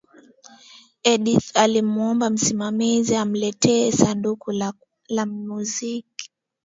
edith alimuomba msimamizi amletee sanduku la muziki